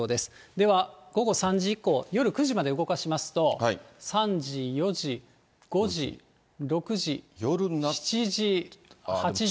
では午後３時以降、夜９時まで動かしますと、３時、４時、５時、６時、７時、８時。